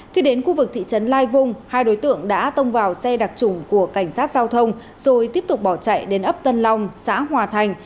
khi đến khu vực thị trấn lai vung hai đối tượng đã tông vào xe đặc trùng của cảnh sát giao thông rồi tiếp tục bỏ chạy đến ấp tân long xã hòa thành